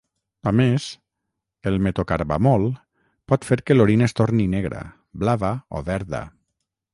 A més, el metocarbamol pot fer que l'orina es torni negra, blava o verda.